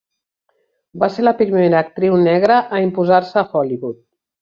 Va ser la primera actriu negra a imposar-se a Hollywood.